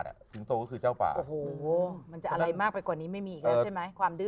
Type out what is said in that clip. มันจะอะไรมากไปกว่านี้ไม่มีอีกแล้วใช่ไหมความดื้อ